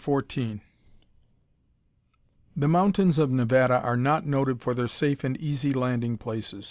CHAPTER XIV The mountains of Nevada are not noted for their safe and easy landing places.